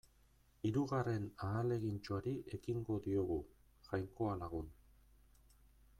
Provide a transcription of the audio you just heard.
Hirugarren ahalegintxoari ekingo diogu, Jainkoa lagun.